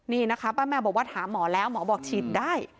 นี่นะคะป้าแมวบอกว่าถามหมอแล้วหมอบอกฉีดได้